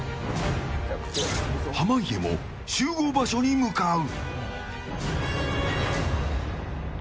濱家も集合場所に向かう。